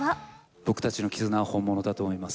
僕たちの絆は本物だと思います。